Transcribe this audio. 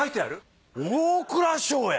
大蔵省や！